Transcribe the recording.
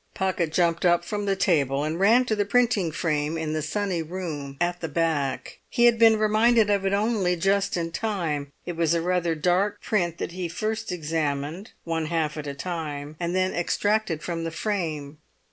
Pocket jumped up from table, and ran to the printing frame in the sunny room at the back. He had been reminded of it only just in time. It was a rather dark print that he first examined, one half at a time, and then extracted from the frame.